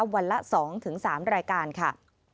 วันละ๒๓รายการค่ะ